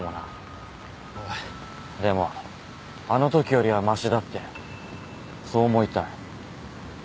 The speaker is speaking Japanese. でもあのときよりはましだってそう思いたい